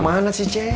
kemana sih ceng